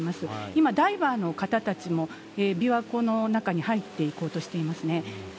今、ダイバーの方たちも、琵琶湖の中に入っていこうとしていますね。